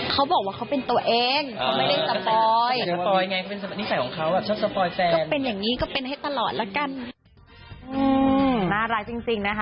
เขาบอกว่าเขาเป็นตัวเองเขาไม่ได้สปอยสปอยไง